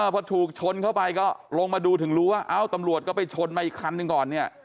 พอถูกชนเข้าไปก็ลงมาดูถึงรู้ว่าเอ้าตำรวจก็ไปชนมาอีกคันหนึ่งก่อนเนี่ย